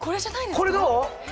これどう？